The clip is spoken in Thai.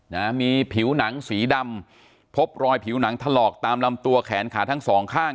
นะฮะมีผิวหนังสีดำพบรอยผิวหนังถลอกตามลำตัวแขนขาทั้งสองข้าง